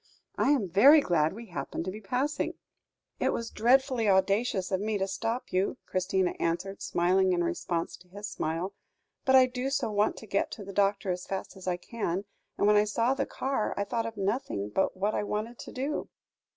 "I am very glad we happened to be passing." "It was dreadfully audacious of me to stop you," Christina answered, smiling in response to his smile, "but I do so want to get to the doctor as fast as I can, and when I saw the car, I thought of nothing but what I wanted to do."